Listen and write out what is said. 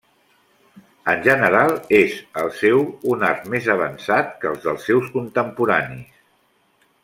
En general, és el seu un art més avançat que els dels seus contemporanis.